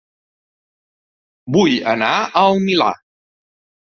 Vull anar a El Milà